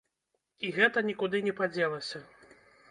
І гэта нікуды не падзелася.